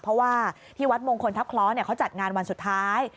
เพราะว่าที่วัดมงคลทัพคล้อเขาจัดงานวันสุดท้าย